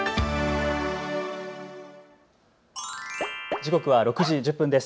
時刻は６時１０分です。